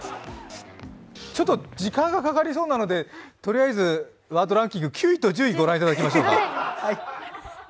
ちょっと時間がかかりそうなのでワードランキング、９位と１０位を御覧いただきましょうか。